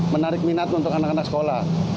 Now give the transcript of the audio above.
menarik minat untuk anak anak sekolah